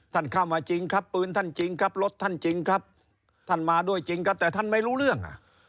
ท่านเข้ามาจริงครับปืนท่านจริงครับรถท่านจริงครับท่านมาด้วยจริงครับแต่ท่านไม่รู้เรื่องอ่ะ